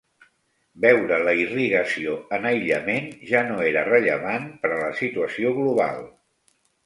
Veure la irrigació en aïllament ja no era rellevant per a la situació global.